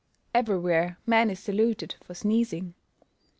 Everywhere man is saluted for sneezing.